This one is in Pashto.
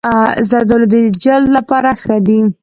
زردالو د جلد لپاره ښه دی.